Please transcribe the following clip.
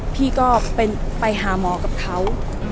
พี่ก็ไปหาหมอกับเขา